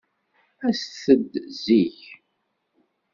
Aset-d zik.